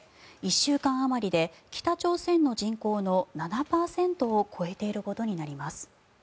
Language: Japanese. １週間あまりで北朝鮮の人口の７％を超えていることになります。